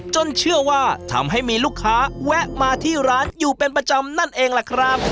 เชื่อว่าทำให้มีลูกค้าแวะมาที่ร้านอยู่เป็นประจำนั่นเองล่ะครับ